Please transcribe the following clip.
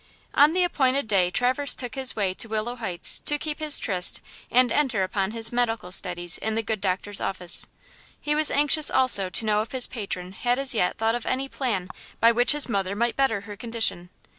ON the appointed day Traverse took his way to Willow Heights to keep his tryst and enter upon his medical studies in the good doctor's office. He was anxious also to know if his patron had as yet thought of any plan by which his mother might better her condition.